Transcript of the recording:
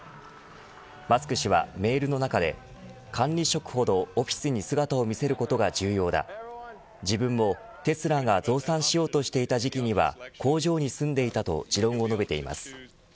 マスク氏はメールの中で管理職ほど、オフィスに姿を見せることが重要だ自分も、テスラが増産しようとしていた時期には工場に住んでいたと持論を述べています。